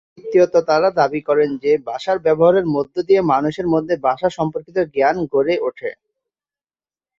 এবং তৃতীয়ত, তারা দাবী করেন যে ভাষার ব্যবহারের মধ্যে দিয়ে মানুষের মধ্যে ভাষা সম্পর্কিত জ্ঞান গড়ে ওঠে।